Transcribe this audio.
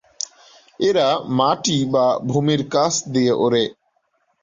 এরা মাটি বা ভূমির কাছ দিয়ে ওড়ে।